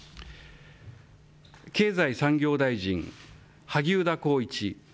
経済産業大臣、萩生田光一。